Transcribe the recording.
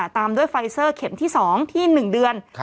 ตามด้วยไฟเซอร์เข็มที่๒ที่๑เดือน